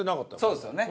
そうですよね。